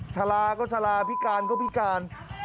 ชะลาก็ชะลาพิการก็พิการ